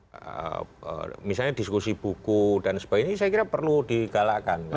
misalnya bagaimana tadi misalnya diskusi buku dan sebagainya ini saya kira perlu dikalahkan